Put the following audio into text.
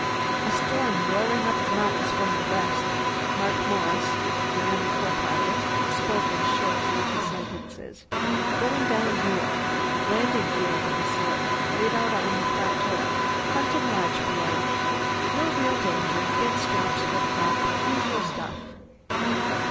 "A storm roaring up the mountains from the west." Mark Morris, the young co pilot, spoke in short jerky sentences. "Going down here. Landing field of a sort. Laid out on the plateau. Hunting lodge below. No real danger. Get straps hooked up. Usual stuff."